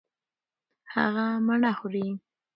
هغه مڼه خوري.